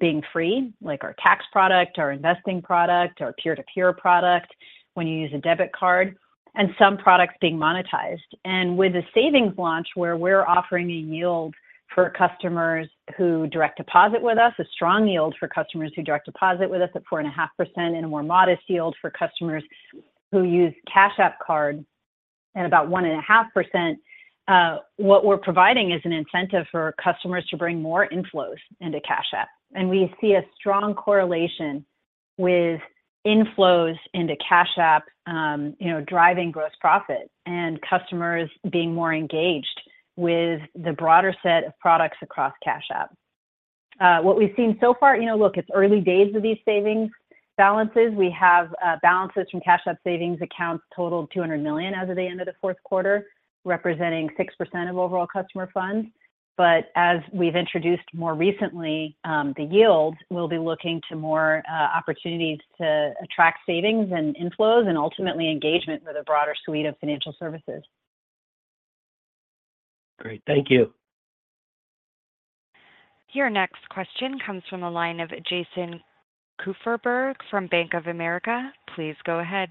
Speaker 4: being free, like our tax product, our investing product, our peer-to-peer product, when you use a debit card, and some products being monetized. With the savings launch, where we're offering a yield for customers who direct deposit with us, a strong yield for customers who direct deposit with us at 4.5% and a more modest yield for customers who use Cash App Card at about 1.5%, what we're providing is an incentive for customers to bring more inflows into Cash App. And we see a strong correlation with inflows into Cash App, you know, driving gross profit and customers being more engaged with the broader set of products across Cash App. What we've seen so far, you know, look, it's early days of these savings balances. We have balances from Cash App savings accounts totaling $200 million as of the end of the fourth quarter, representing 6% of overall customer funds. But as we've introduced more recently, the yields, we'll be looking to more opportunities to attract savings and inflows and ultimately engagement with a broader suite of financial services.
Speaker 14: Great. Thank you.
Speaker 1: Your next question comes from the line of Jason Kupferberg from Bank of America. Please go ahead.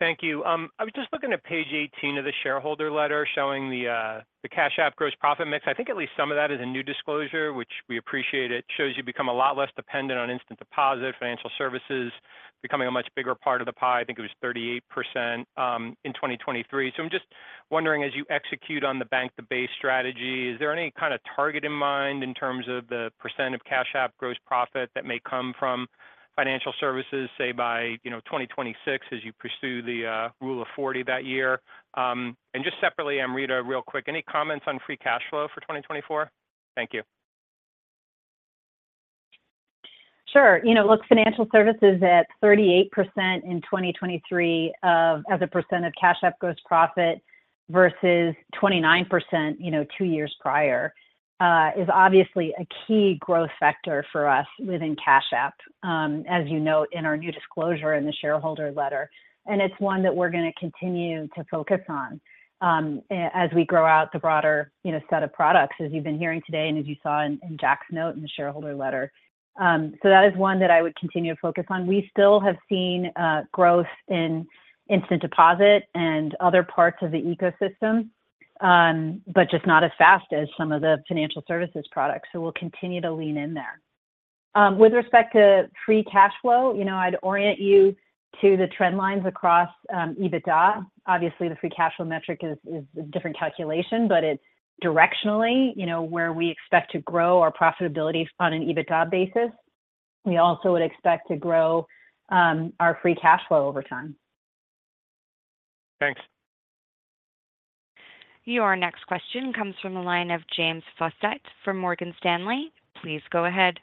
Speaker 15: Thank you. I was just looking at page 18 of the shareholder letter showing the Cash App gross profit mix. I think at least some of that is a new disclosure, which we appreciate. It shows you become a lot less dependent on instant deposit, financial services becoming a much bigger part of the pie. I think it was 38% in 2023. So I'm just wondering, as you execute on the bank, the base strategy, is there any kinda target in mind in terms of the percent of Cash App gross profit that may come from financial services, say, by, you know, 2026, as you pursue the Rule of 40 that year? And just separately, Amrita, real quick, any comments on free cash flow for 2024? Thank you.
Speaker 4: Sure. You know, look, financial services at 38% in 2023, of, as a percent of Cash App gross profit versus 29%, you know, two years prior, is obviously a key growth factor for us within Cash App. As you note in our new disclosure in the shareholder letter, and it's one that we're gonna continue to focus on, as we grow out the broader, you know, set of products, as you've been hearing today and as you saw in, in Jack's note in the shareholder letter. So that is one that I would continue to focus on. We still have seen growth in instant deposit and other parts of the ecosystem, but just not as fast as some of the financial services products. So we'll continue to lean in there. With respect to free cash flow, you know, I'd orient you to the trend lines across EBITDA. Obviously, the free cash flow metric is a different calculation, but it's directionally, you know, where we expect to grow our profitability on an EBITDA basis. We also would expect to grow our free cash flow over time.
Speaker 15: Thanks.
Speaker 1: Your next question comes from the line of James Faucette from Morgan Stanley. Please go ahead.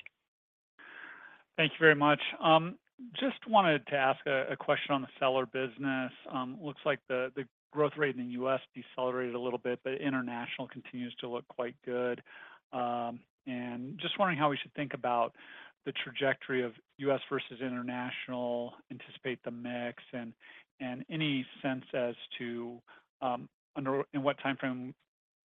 Speaker 16: Thank you very much. Just wanted to ask a question on the seller business. Looks like the growth rate in the U.S. decelerated a little bit, but international continues to look quite good. And just wondering how we should think about the trajectory of U.S. versus international, anticipate the mix, and any sense as to in what timeframe,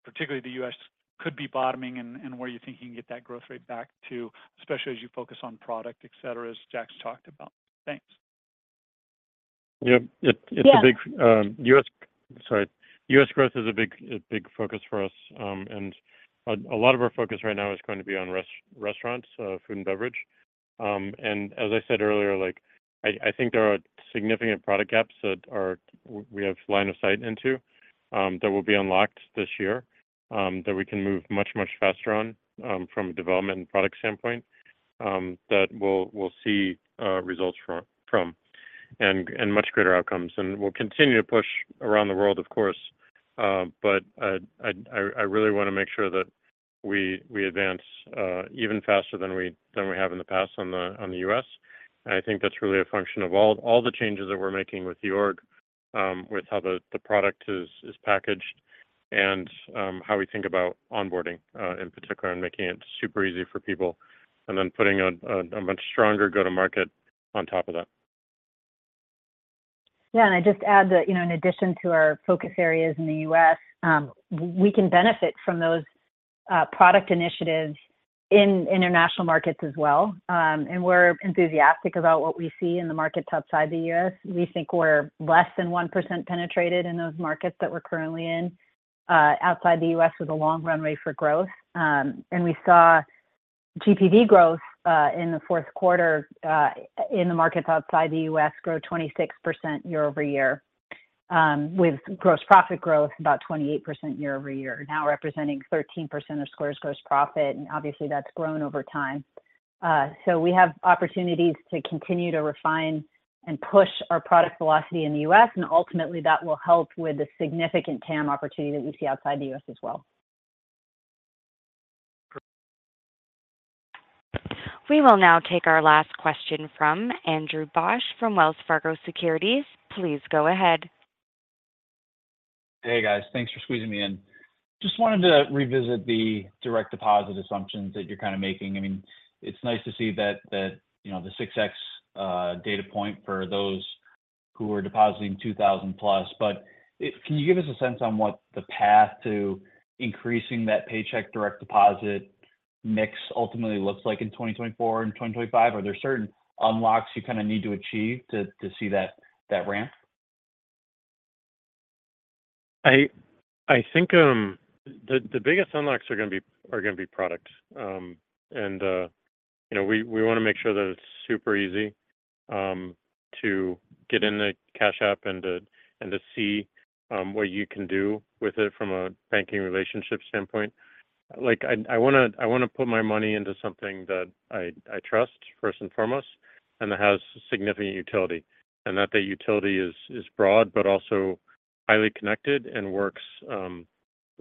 Speaker 16: particularly the U.S., could be bottoming and where you think you can get that growth rate back to, especially as you focus on product, et cetera, as Jack's talked about. Thanks.
Speaker 3: Yeah, it’s a big U.S. growth is a big focus for us, and a lot of our focus right now is going to be on restaurants, food and beverage. And as I said earlier, like, I think there are significant product gaps that we have line of sight into, that will be unlocked this year, that we can move much faster on, from a development and product standpoint, that we'll see results from, and much greater outcomes. And we'll continue to push around the world, of course, but I really wanna make sure that we advance even faster than we have in the past on the U.S. And I think that's really a function of all the changes that we're making with the org, with how the product is packaged, and how we think about onboarding in particular, and making it super easy for people, and then putting a much stronger go-to-market on top of that.
Speaker 4: Yeah, and I just add that, you know, in addition to our focus areas in the U.S., we can benefit from those product initiatives in international markets as well. We're enthusiastic about what we see in the markets outside the U.S. We think we're less than 1% penetrated in those markets that we're currently in, outside the U.S., with a long runway for growth. We saw GPV growth in the fourth quarter in the markets outside the U.S. grow 26% year-over-year, with gross profit growth about 28% year-over-year, now representing 13% of Square's gross profit, and obviously, that's grown over time. We have opportunities to continue to refine and push our product velocity in the U.S., and ultimately, that will help with the significant TAM opportunity that we see outside the U.S. as well.
Speaker 16: Perfect.
Speaker 1: We will now take our last question from Andrew Bauch from Wells Fargo Securities. Please go ahead.
Speaker 17: Hey, guys. Thanks for squeezing me in. Just wanted to revisit the direct deposit assumptions that you're kinda making. I mean, it's nice to see that, you know, the 6x data point for those who are depositing 2,000+. But can you give us a sense on what the path to increasing that paycheck direct deposit mix ultimately looks like in 2024 and 2025? Are there certain unlocks you kinda need to achieve to see that ramp?
Speaker 3: I think the biggest unlocks are gonna be product. And you know, we wanna make sure that it's super easy to get in the Cash App and to see what you can do with it from a banking relationship standpoint. Like, I wanna put my money into something that I trust, first and foremost, and that has significant utility, and that the utility is broad but also highly connected and works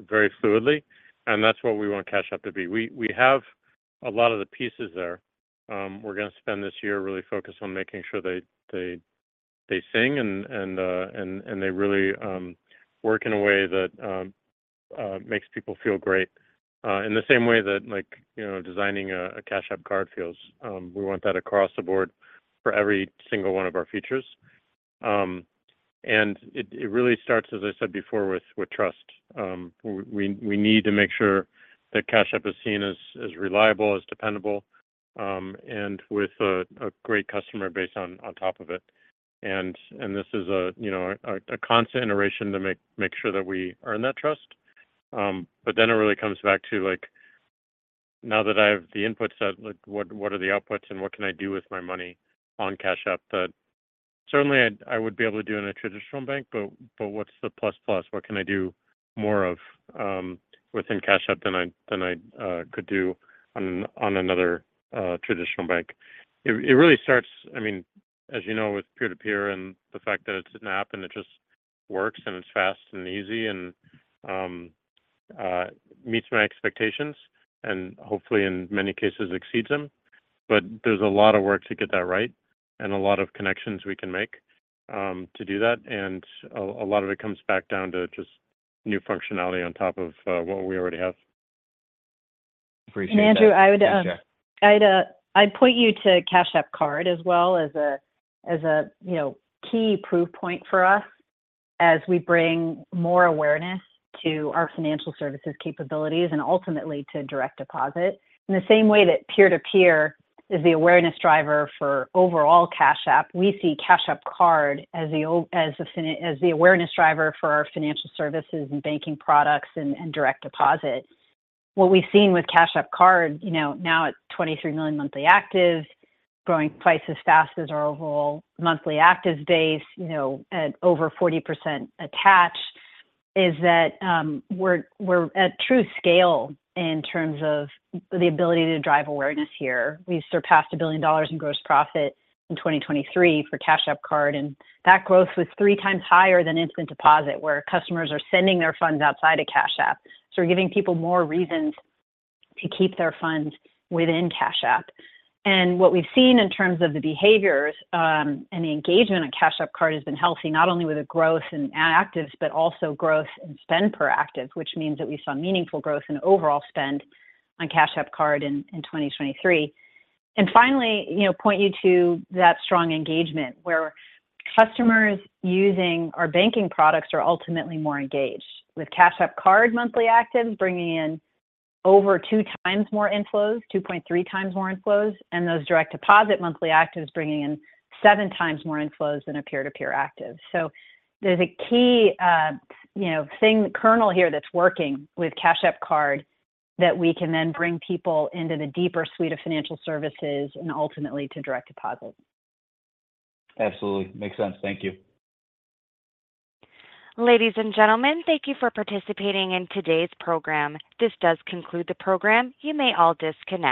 Speaker 3: very fluidly, and that's what we want Cash App to be. We have a lot of the pieces there. We're gonna spend this year really focused on making sure they sing and they really work in a way that makes people feel great in the same way that, like, you know, designing a Cash App Card feels. We want that across the board for every single one of our features. And it really starts, as I said before, with trust. We need to make sure that Cash App is seen as reliable, as dependable, and with a great customer base on top of it. This is, you know, a constant iteration to make sure that we earn that trust. But then it really comes back to, like, now that I have the input set, like, what are the outputs and what can I do with my money on Cash App that certainly I would be able to do in a traditional bank, but what's the plus plus? What can I do more of within Cash App than I could do on another traditional bank? It really starts, I mean, as you know, with peer-to-peer and the fact that it's an app and it just works and it's fast and easy and meets my expectations, and hopefully, in many cases exceeds them. But there's a lot of work to get that right, and a lot of connections we can make to do that, and a lot of it comes back down to just new functionality on top of what we already have.
Speaker 18: Appreciate it.
Speaker 4: Andrew, I'd point you to Cash App Card as well as a, you know, key proof point for us as we bring more awareness to our financial services capabilities and ultimately to direct deposit. In the same way that peer-to-peer is the awareness driver for overall Cash App, we see Cash App Card as the awareness driver for our financial services and banking products and direct deposit. What we've seen with Cash App Card, you know, now at 23 million monthly actives, growing twice as fast as our whole monthly actives base, you know, at over 40% attached, is that we're at true scale in terms of the ability to drive awareness here. We've surpassed $1 billion in gross profit in 2023 for Cash App Card, and that growth was 3x higher than instant deposit, where customers are sending their funds outside of Cash App. So we're giving people more reasons to keep their funds within Cash App. And what we've seen in terms of the behaviors and the engagement on Cash App Card has been healthy, not only with the growth in actives, but also growth in spend per active, which means that we saw meaningful growth in overall spend on Cash App Card in 2023. And finally, you know, point you to that strong engagement, where customers using our banking products are ultimately more engaged, with Cash App Card monthly actives bringing in over 2x more inflows, 2.3x more inflows, and those direct deposit monthly actives bringing in 7x more inflows than a peer-to-peer active. So there's a key, you know, thing, kernel here that's working with Cash App Card, that we can then bring people into the deeper suite of financial services and ultimately to direct deposit.
Speaker 17: Absolutely. Makes sense. Thank you.
Speaker 1: Ladies and gentlemen, thank you for participating in today's program. This does conclude the program. You may all disconnect.